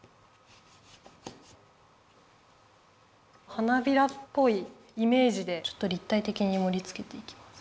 花びらっぽいイメージでちょっとりったいてきにもりつけていきます。